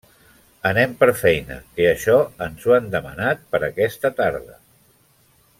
Anem per feina que això ens ho han demanat per aquesta tarda.